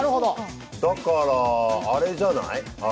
だからあれじゃない？